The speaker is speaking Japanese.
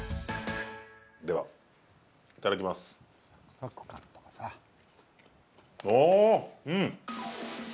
では、いただきます。